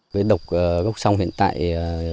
với đập gốc sông hiện tại